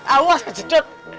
awas aja dur